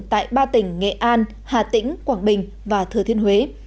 tại ba tỉnh nghệ an hà tĩnh quảng bình và thừa thiên huế